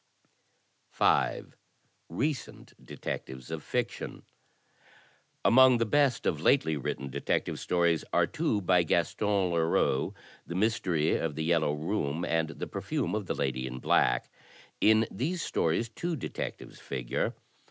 5. Recent Detectives of Fiction Among the best of lately written detective stories are two by Gaston Leroux, "The Mystery of the Yellow Room" and "The Perfume of the Lady in Black." In these stories two detectives figure.